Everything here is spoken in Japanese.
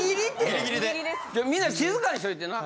みんな静かにしといてな。